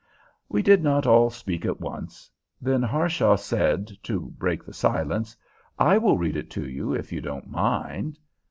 We did not all speak at once. Then Harshaw said, to break the silence, "I will read it to you, if you don't mind."